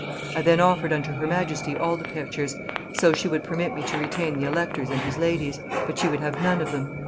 I then offered unto her majesty all the pictures, so she would permit me to retain the elector's and his lady's, but she would have none of them.